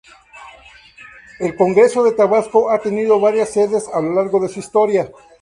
El Congreso de Tabasco ha tenido varias sedes a lo largo de su historia.